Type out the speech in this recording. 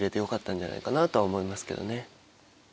んじゃないかなとは思いますけどね。